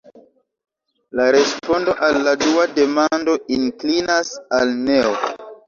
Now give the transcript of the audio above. La respondo al la dua demando inklinas al neo.